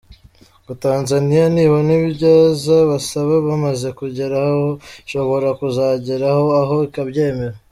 Ngo Tanzania nibona ibyiza bazaba bamaze kugeraho ishobora kuzagera aho ikabyemera.